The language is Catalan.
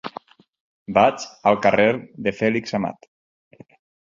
Vaig al carrer de Fèlix Amat.